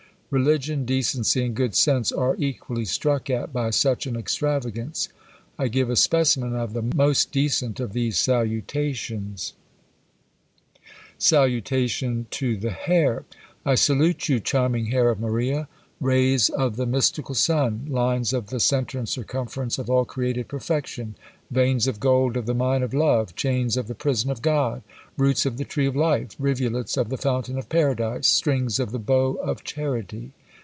Religion, decency, and good sense, are equally struck at by such an extravagance." I give a specimen of the most decent of these salutations. Salutation to the Hair. "I salute you, charming hair of Maria! Rays of the mystical sun! Lines of the centre and circumference of all created perfection! Veins of gold of the mine of love! Chains of the prison of God! Roots of the tree of life! Rivulets of the fountain of Paradise! Strings of the bow of charity!